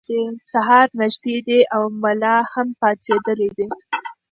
سهار نږدې دی او ملا هم پاڅېدلی دی.